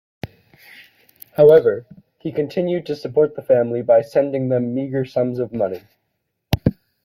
However, he continued to support the family by sending them meager sums of money.